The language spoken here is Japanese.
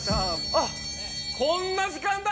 あっこんな時間だ。